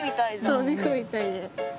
そう猫みたいで。